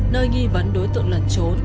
nơi nghi vấn đối tượng lần trốn